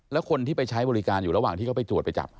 แล้วคนที่ไปใช้บริการอยู่ระหว่างที่เขาไปตรวจไปจับ